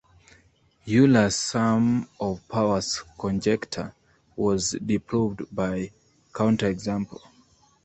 Euler's sum of powers conjecture was disproved by counterexample.